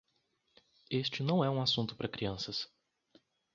Este não é um assunto para crianças